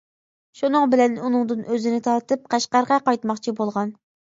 شۇنىڭ بىلەن ئۇنىڭدىن ئۆزىنى تارتىپ، قەشقەرگە قايتماقچى بولغان.